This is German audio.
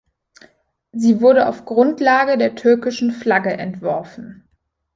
Sie wurde auf Grundlage der türkischen Flagge entworfen.